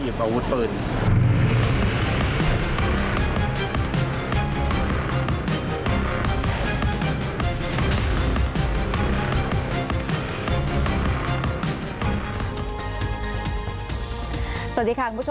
มีประวัติศาสตร์ที่สุดในประวัติศาสตร์